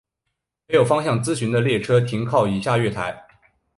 没有方向资讯的列车停靠以下月台。